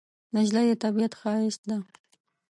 نجلۍ د طبیعت ښایست ده.